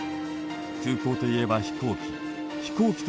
空港といえば飛行機。